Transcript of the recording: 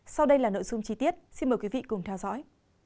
sau đây là nội dung chi tiết xin mời quý vị cùng theo dõi